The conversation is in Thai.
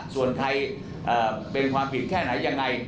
ส่วนใครเป็นความผิดแค่ไหนยังไง